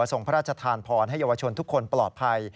ส่งพระราชทานพรให้เยาวชนทุกคนปลอดภัย